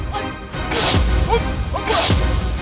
beritahu kami kesini